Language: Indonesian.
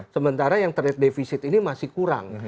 sementara yang trade defisit ini masih kurang